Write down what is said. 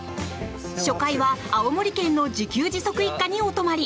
初回は青森県の自給自足一家にお泊まり！